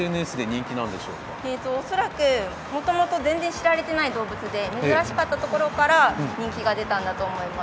恐らく、もともと知られていない動物で珍しかったところから人気が出たんだと思います。